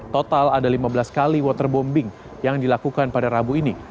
total ada lima belas kali waterbombing yang dilakukan pada rabu ini